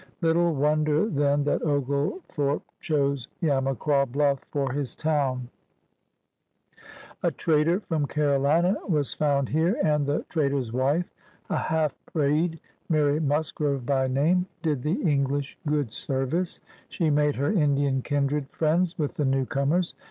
Little wonder then that Oglethorpe chose Yamacraw Bluff for his town. GEORGIA 241 A trader from C!arolina was found here, and the trader's wife, a half breed, Mary Musgrove by name, did the English good service. She made her Indian kindred friends with the newcomers.